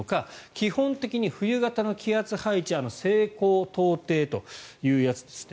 基本的に冬型の気圧配置西高東低というやつですね。